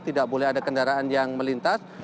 tidak boleh ada kendaraan yang melintas